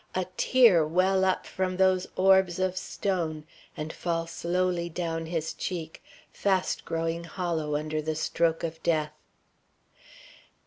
a tear well up from those orbs of stone and fall slowly down his cheek, fast growing hollow under the stroke of death.